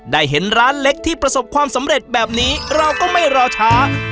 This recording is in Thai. เห็นร้านเล็กที่ประสบความสำเร็จแบบนี้เราก็ไม่รอช้า